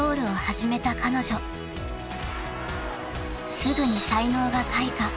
［すぐに才能が開花］